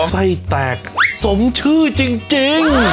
ไส้แตกสมชื่อจริง